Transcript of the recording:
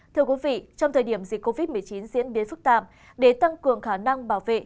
thưa quý vị trong thời điểm dịch covid một mươi chín diễn biến phức tạp để tăng cường khả năng bảo vệ